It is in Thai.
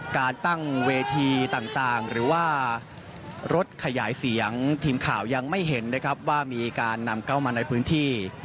การตั้งเวทีต่างหรือว่ารถขยายเสียงทีมข่าวยังไม่เห็นนะครับว่ามีการนำเข้ามาในพื้นที่